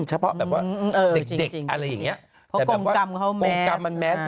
ช่วงกับ